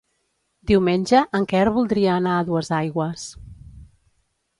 Diumenge en Quer voldria anar a Duesaigües.